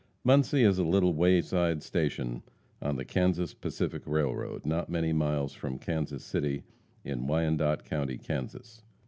Muncie is a little wayside station on the Kansas Pacific Railroad, not many miles from Kansas City, in Wyandotte county, Kansas.